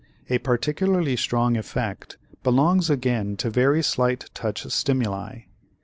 A particularly strong effect belongs again to very slight touch stimuli.